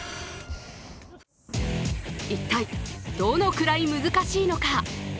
一体どのくらい難しいのか。